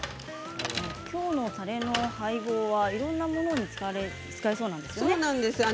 今日のたれの配合はいろんなものに使えそうなんですよね。